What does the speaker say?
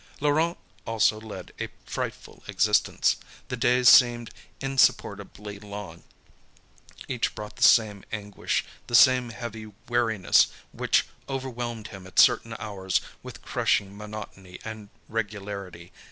Laurent also led a frightful existence. The days seemed insupportably long; each brought the same anguish, the same heavy weariness which overwhelmed him at certain hours with crushing monotony and regularity.